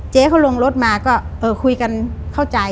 เจ๊เขาลงรถมาก็คุยกันเข้าใจ